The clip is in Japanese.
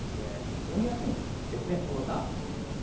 しのぎやすいですね、近藤さん。